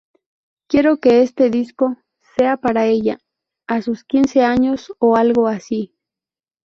Quiero que este disco sea para ella a sus quince años, o algo así.